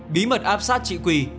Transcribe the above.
bí mật áp sát chị quỳ